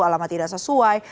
alamat tidak sesuai